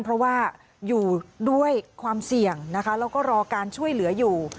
เพราะว่าอยู่ด้วยความเสี่ยงนะคะแล้วก็รอการช่วยเหลืออยู่